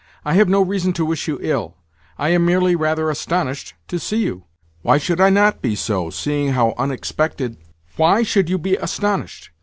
"I have no reason to wish you ill. I am merely rather astonished to see you. Why should I not be so, seeing how unexpected—" "Why should you be astonished?